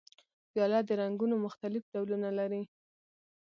پیاله د رنګونو مختلف ډولونه لري.